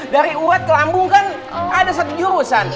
dari urat ke lambung kan ada satu jurusan